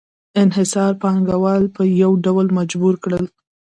انحصار پانګوال په یو ډول مجبور کړل